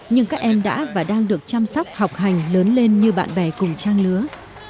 nhưng các em đã và đang được chăm sóc học hành lớn lên như bạn bè cùng trang lứa